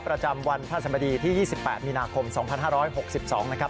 ประจำวันพระสมดีที่๒๘มีนาคม๒๕๖๒นะครับ